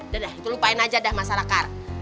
dadah itu lupain aja dah masalah kar